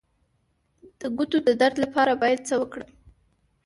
د ګوتو د درد لپاره باید څه وکړم؟